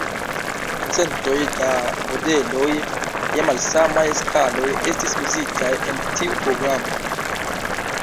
Centoj da modeloj je malsamaj skaloj estis uzitaj en tiu programo.